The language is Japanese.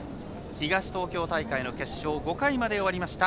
東東京大会の決勝５回まで終わりました。